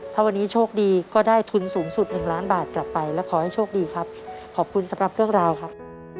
ถ้าวันนี้โชคดีก็ได้ทุนสูงสุด๑ล้านบาทกลับไปและขอให้โชคดีครับขอบคุณสำหรับเรื่องราวครับ